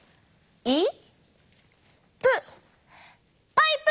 「パ」「イ」「プ」！